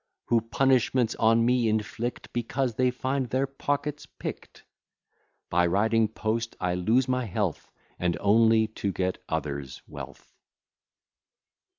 Who punishments on me inflict, Because they find their pockets pickt. By riding post, I lose my health, And only to get others wealth.